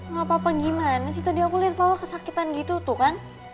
gak apa apa gimana sih tadi aku liat papa kesakitan gitu tuh kan